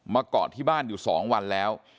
มากอดที่บ้านอยู่สองวันแล้ว